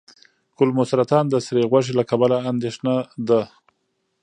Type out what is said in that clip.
کولمو سرطان د سرې غوښې له کبله اندېښنه ده.